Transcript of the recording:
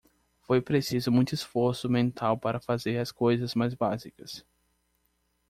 Foi preciso muito esforço mental para fazer as coisas mais básicas.